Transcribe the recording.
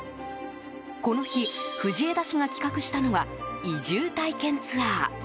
この日、藤枝市が企画したのは移住体験ツアー。